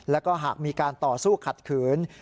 แล้วก็หากมีการต่อสู้ขัดขืน